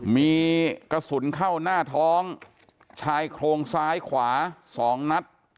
มีกระสุนเข้าหน้าท้องชายโครงซ้ายขวา๒นัด